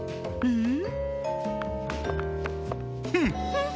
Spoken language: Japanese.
うん。